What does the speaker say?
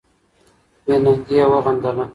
بې ننګي یې وغندله